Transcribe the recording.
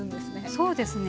そうですね。